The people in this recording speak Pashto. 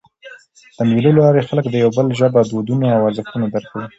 د مېلو له لاري خلک د یو بل ژبه، دودونه او ارزښتونه درک کوي.